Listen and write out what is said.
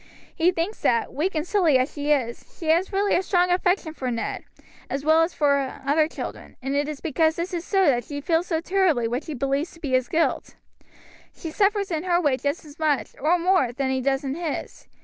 He thinks that, weak and silly as she is, she has really a strong affection for Ned, as well as for her other children, and it is because this is so that she feels so terribly what she believes to be his guilt. She suffers in her way just as much, or more, than he does in his.